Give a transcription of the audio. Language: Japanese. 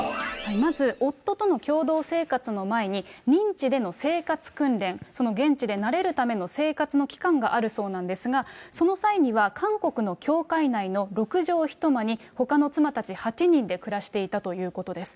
まず夫との共同生活の前に任地での生活訓練、その現地で慣れるための生活の期間があるそうなんですが、その際には、韓国の教会内の６畳１間にほかの妻たち８人で暮らしていたということです。